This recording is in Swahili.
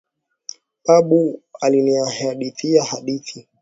Babu alinihadhithia hadithi.